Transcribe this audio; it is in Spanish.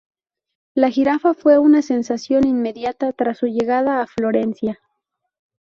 La jirafa fue una sensación inmediata tras su llegada a Florencia.